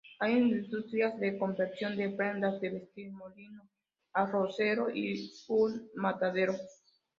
Hay industrias de confección de prendas de vestir, molino arrocero y un matadero.